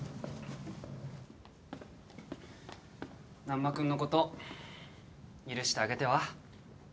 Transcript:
難破君のこと許してあげては？